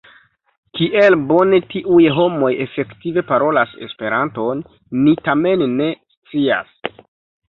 Kiel bone tiuj homoj efektive parolas Esperanton ni tamen ne scias.